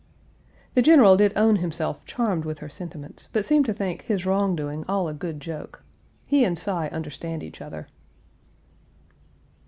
The General did own himself charmed with her sentiments, but seemed to think his wrong doing all a good joke. He and Cy understand each other.